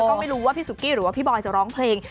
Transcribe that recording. ก็ไม่รู้ว่าพี่สุกี้หรือว่าพี่บอยจะร้องเพลง